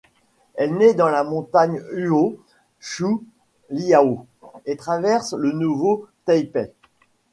Elle naît dans la montagne Huo Shou Liao et traverse le Nouveau Taipei.